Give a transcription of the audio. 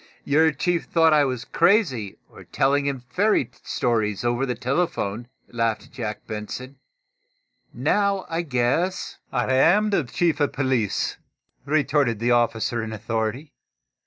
"Your chief thought I was crazy, or telling him fairy stories over the telephone," laughed Captain Jack Benson. "Now, I guess " "I am the Chief of police," retorted the officer in authority.